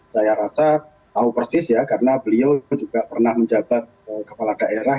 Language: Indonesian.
saya rasa tahu persis ya karena beliau juga pernah menjabat kepala daerah